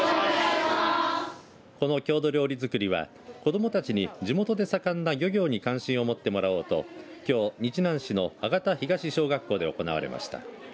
この郷土料理づくりは子どもたちに地元で盛んな漁業に関心を持ってもらおうときょう日南市の吾田東小学校で行われました。